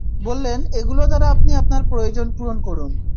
বললেন, এগুলো দ্বারা আপনি আপনার প্রয়োজন পূরণ করুন।